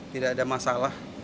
tidak ada masalah